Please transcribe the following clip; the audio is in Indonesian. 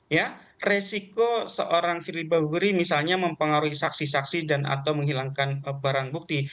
ya resiko seorang firly bahuri misalnya mempengaruhi saksi saksi dan atau menghilangkan barang bukti